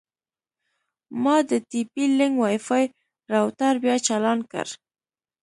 ما د ټي پي لینک وای فای روټر بیا چالان کړ.